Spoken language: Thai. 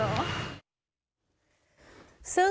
ซึ่งหลังจากที่